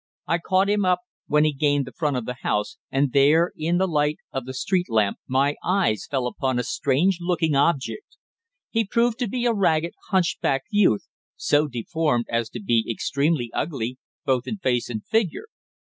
I caught him up when he gained the front of the house, and there, in the light of the street lamp, my eyes fell upon a strange looking object. He proved to be a ragged, hunchbacked youth, so deformed as to be extremely ugly, both in face and figure.